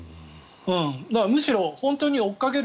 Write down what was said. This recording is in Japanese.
むしろ本当に追いかける